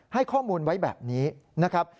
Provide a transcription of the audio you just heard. ให้ข้อมูลไว้แบบนี้นะครับ